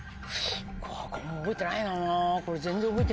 これも覚えてないなぁ。